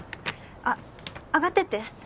あっ上がってって。